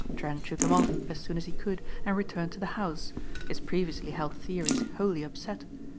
Trent shook him off as soon as he could and returned to the house, his previously held theories wholly upset.